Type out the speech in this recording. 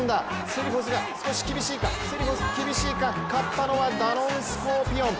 セリフォス厳しいか勝ったのはダノンスコーピオン。